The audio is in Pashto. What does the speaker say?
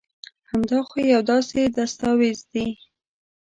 هم دا خو يو داسي دستاويز دي